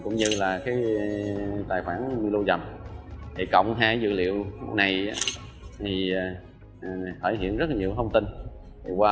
cũng như là cái tài khoản lưu nhập thì cộng hai dữ liệu này thì thể hiện rất nhiều thông tin qua